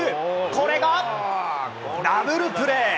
これがダブルプレー！